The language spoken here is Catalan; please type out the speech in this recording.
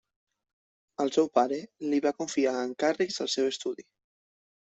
El seu pare li va confiar encàrrecs al seu estudi.